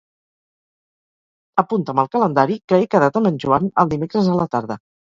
Apunta'm al calendari que he quedat amb en Joan el dimecres a la tarda.